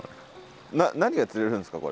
な何が釣れるんですか？